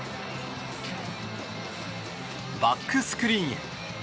バックスクリーンへ。